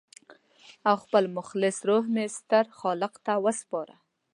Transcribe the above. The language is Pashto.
او خپل خالص روح مې ستر خالق ته وسپاره.